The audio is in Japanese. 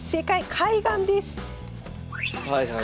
海岸です。